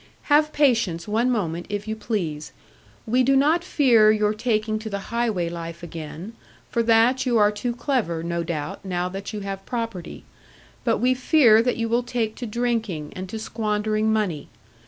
Have patience, one moment, if you please. We do not fear your taking to the highway life again; for that you are too clever, no doubt, now that you have property. But we fear that you will take to drinking, and to squandering money.